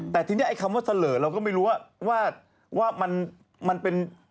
แต่ทีนี้ไอ้คำว่าเสลอเราก็ไม่รู้ว่ามันเป็น